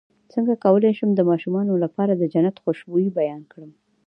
څنګه کولی شم د ماشومانو لپاره د جنت خوشبو بیان کړم